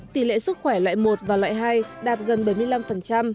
tỷ lệ sức khỏe loại một và loại hai đạt gần bảy mươi năm